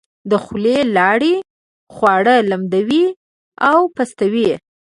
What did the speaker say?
د خولې لاړې خواړه لمدوي او پستوي.